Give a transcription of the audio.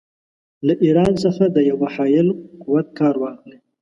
له ایران څخه د یوه حایل قوت کار واخلي.